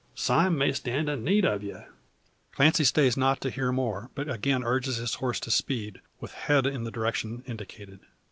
Sime may stand in need o' ye." Clancy stays not to hear more, but again urges his horse to speed, with head in the direction indicated.